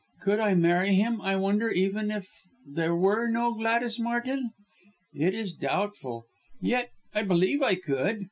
Could I marry him, I wonder, even if there were no Gladys Martin? It is doubtful! Yet I believe I could.